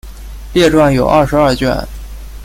列传有二十二卷。